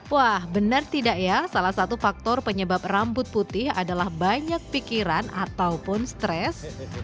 wah benar tidak ya salah satu faktor penyebab rambut putih adalah banyak pikiran ataupun stres